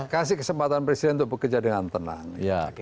kasih kesempatan presiden untuk bekerja dengan tenang